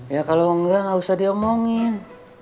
ya kalau enggak gak usah dia omongin